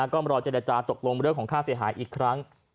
ก็มารอเจรจาตกลงเรื่องของค่าเสียหายอีกครั้ง